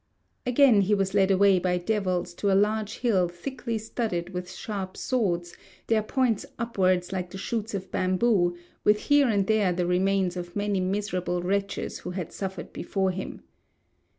Again he was led away by devils to a large hill thickly studded with sharp swords, their points upwards like the shoots of bamboo, with here and there the remains of many miserable wretches who had suffered before him.